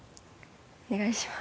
お願いします